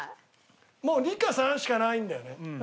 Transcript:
もう２か３しかないんだよね。